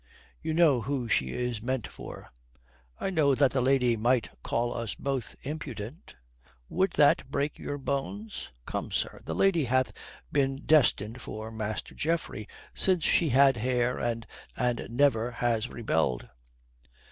"You know who she is meant for." "I know that the lady might call us both impudent." "Would that break your bones? Come, sir, the lady hath been destined for Master Geoffrey since she had hair and never has rebelled."